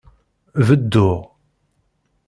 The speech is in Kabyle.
Bedduɣ.